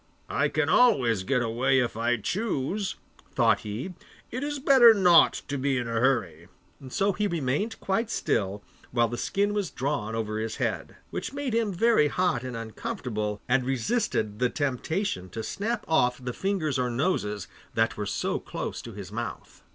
'I can always get away if I choose,' thought he, 'it is better not to be in a hurry;' so he remained quite still while the skin was drawn over his head, which made him very hot and uncomfortable, and resisted the temptation to snap off the fingers or noses that were so close to his mouth.